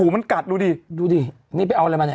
มันกัดหนีเลยอ่ะ